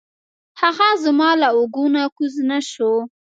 هغه زما له اوږو نه کوز نه شو.